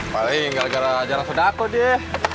paling gara gara jarang sedako dia